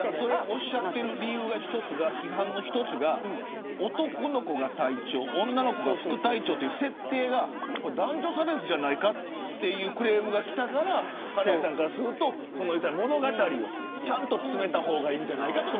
おっしゃっている批判の理由の一つが男の子が隊長、女の子が副隊長という設定が男女差別じゃないかというクレームがきたから金谷さんからすると物語をちゃんと詰めた方がいいんじゃないかと。